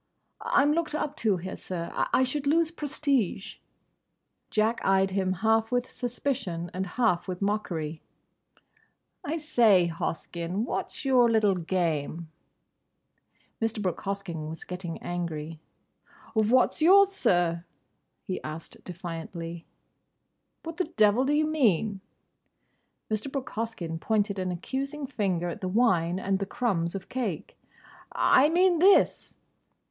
"I'm looked up to here, sir. I should lose prestige." Jack eyed him half with suspicion and half with mockery. "I say, Hoskyn, what's your little game?" Mr. Brooke Hoskyn was getting angry. "What's yours, sir?" he asked defiantly. "What the devil do you mean?" Mr. Brooke Hoskyn pointed an accusing finger at the wine and the crumbs of cake. "I mean—this."